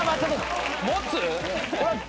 持つ？